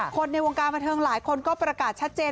คนในวงการบันเทิงหลายคนก็ประกาศชัดเจน